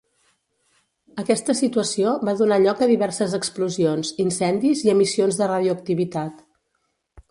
Aquesta situació va donar lloc a diverses explosions, incendis i emissions de radioactivitat.